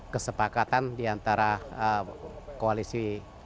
kesepakatan diantara koalisi